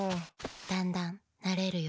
だんだんなれるよ。